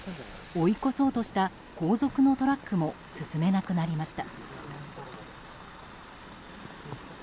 追い越そうとした後続のトラックも進めなくなりました。